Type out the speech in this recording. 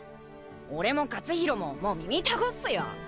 俺も克浩ももう耳タコっすよ。